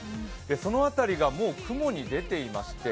その辺りがもう雲に出ていまして